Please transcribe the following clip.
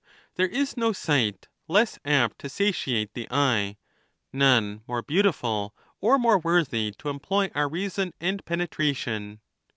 There is no sight less apt to satiate the eye, none more beautiful, or more worthy to employ our reason and penetration.